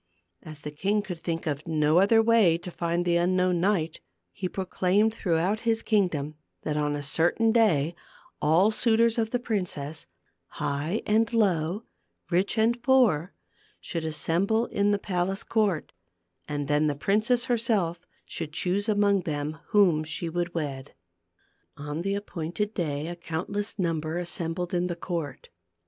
As the king could think of no other way to find the unknown knight, he proclaimed through out his kingdom that on a certain day all suitors of the princess, high and low, rich and poor, should assemble in the palace court, and then the princess herself should choose among them whom she would wed. On the appointed day a countless number as sembled in the court.